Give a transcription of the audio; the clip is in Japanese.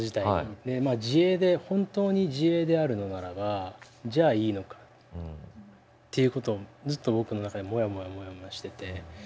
自衛で本当に自衛であるのならばじゃあいいのかっていうことをずっと僕の中でもやもやもやもやしてて。